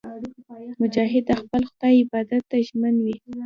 مجاهد د خپل خدای عبادت ته ژمن وي.